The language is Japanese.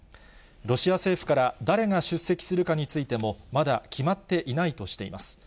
ロシア政府から誰が出席するかについても、まだ決まっていないとしています。